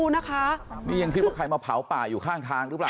นะคะนี่ยังคิดว่าใครมาเผาป่าอยู่ข้างทางหรือเปล่า